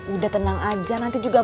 udah tenang aja nanti juga